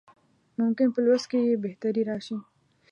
ممکن په لوست کې یې بهتري راشي.